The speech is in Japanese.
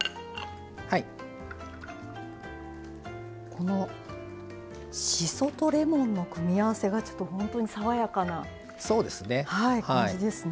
このしそとレモンの組み合わせがちょっと本当に爽やかな感じですね。